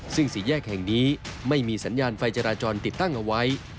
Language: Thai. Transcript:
ซึ่งสี่แยกแห่งนี้ไม่มีสัญญาณไฟจราจรติดตั้งเอาไว้